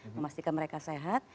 memastikan mereka sehat